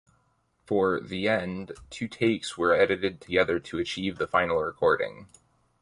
For "The End", two takes were edited together to achieve the final recording.